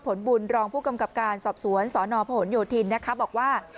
ผลบุญรองผู้กำกับการสอบสวนสนพหนโยธินนะคะบอกว่า